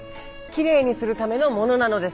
きれいにするためのものなのです。